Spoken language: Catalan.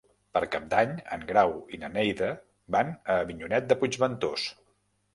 Per Cap d'Any en Grau i na Neida van a Avinyonet de Puigventós.